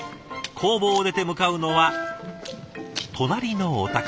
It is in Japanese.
工房を出て向かうのは隣のお宅。